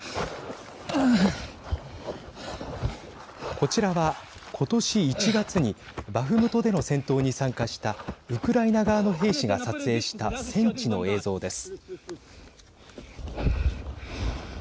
こちらは今年１月にバフムトでの戦闘に参加したウクライナ側の兵士が撮影した戦地の映像です。